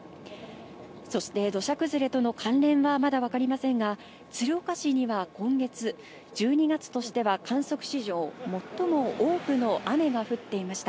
そして土砂崩れとの関連は、まだわかりませんが、鶴岡市には今月、１２月としては観測史上最も多くの雨が降っていました。